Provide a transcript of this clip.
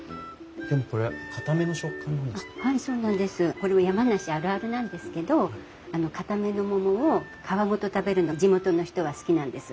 これは山梨あるあるなんですけどかための桃を皮ごと食べるの地元の人は好きなんです。